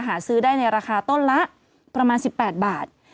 หาซื้อได้ในราคาต้นละประมาณ๑๘บาท